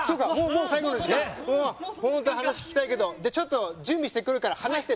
もっと話聞きたいけどちょっと準備してくるから話してて。